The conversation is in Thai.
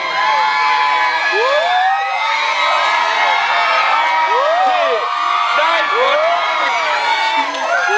ที่ได้ผล